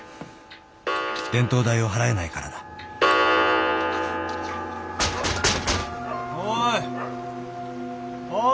電灯代を払えないからだおいおい。